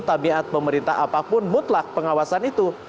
tabiat pemerintah apapun mutlak pengawasan itu